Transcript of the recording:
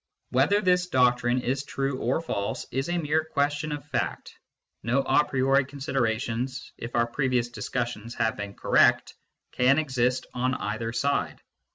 Whether this doctrine is true or false, is a mere question of fact ; no a priori considerations (if our previous dis cussions have been correct) can exist on either side.